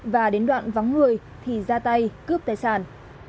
và đến đoạn vắng người thì ra tay cướp tài sản